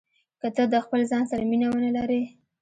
که ته د خپل ځان سره مینه ونه لرې.